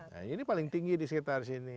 nah ini paling tinggi di sekitar sini